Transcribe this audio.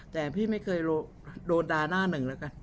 แต่พี่ไม่เคยโดนด่าหน้าหนึ่งแล้วกัน